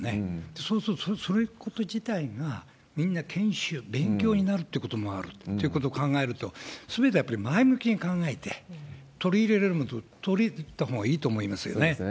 そうすると、そのこと自体が、みんな研修、勉強になるっていうこともあるっていうことを考えると、それは前向きに考えて、取り入れれるものは取り入れたほうがいいと思いまそうですね。